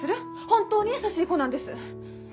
本当に優しい子なんです。